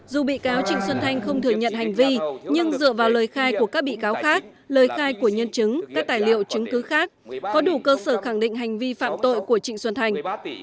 dù bị cáo trịnh xuân thanh không thừa nhận hành vi nhưng dựa vào lời khai của các bị cáo khác lời khai của nhân chứng các tài liệu chứng cứ khác có đủ cơ sở khẳng định hành vi phạm tội của trịnh xuân thành